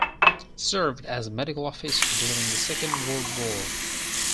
Served as a medical officer during the Second World War.